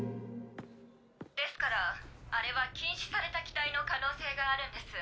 ですからあれは禁止された機体の可能性があるんです。